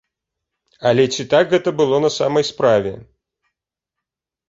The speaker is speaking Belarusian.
Але ці так гэта было на самай справе?